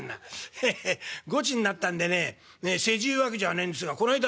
「ヘッヘッごちになったんでね世辞言うわけじゃねえんですがこないだ